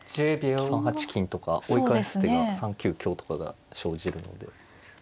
３八金とか追い返す手が３九香とかが生じるので。